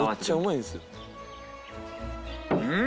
うん。